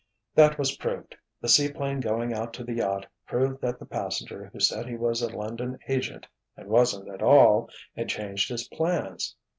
"That was proved—the seaplane coming out to the yacht proved that the passenger who said he was a London agent, and wasn't at all, had changed his plans.